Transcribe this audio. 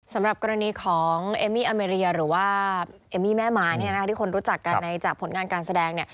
สำหรับกรณีของเอมมี่อเมรียหรือว่าเอมมี่แม่ม้าที่คนรู้จักกันจากผลงานการแสดง